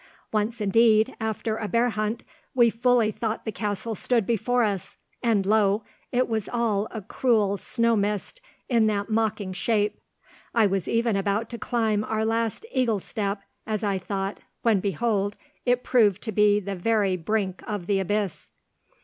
Once indeed, after a bear hunt, we fully thought the castle stood before us, and lo! it was all a cruel snow mist in that mocking shape. I was even about to climb our last Eagle's Step, as I thought, when behold, it proved to be the very brink of the abyss."